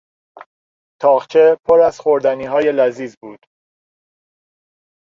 تاقچه پر از خوردنیهای لذیذ بود.